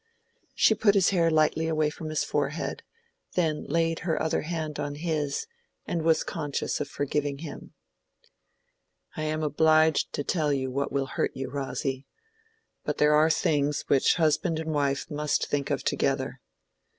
She put his hair lightly away from his forehead, then laid her other hand on his, and was conscious of forgiving him. "I am obliged to tell you what will hurt you, Rosy. But there are things which husband and wife must think of together.